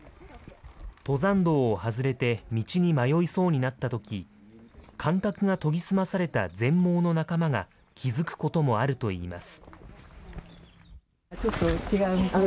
登山道を外れて道に迷いそうになったとき、感覚が研ぎ澄まされた全盲の仲間が気付くこともあるといいます。